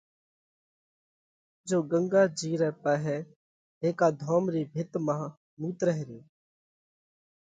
جيو ڳنڳا جِي رئہ پاهئہ هيڪا ڌوم رِي ڀِت مانه مُوترئه ريو۔